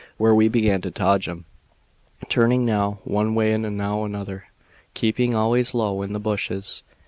Here we began to dodge 'em, turning now one way and now another, keeping always low in the bushes.